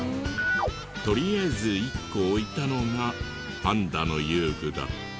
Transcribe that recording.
とりあえず１個置いたのがパンダの遊具だった。